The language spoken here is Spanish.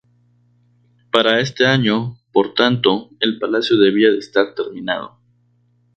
Para este año, por tanto, el palacio debía estar terminado.